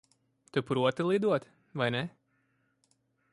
Tu proti lidot, vai ne?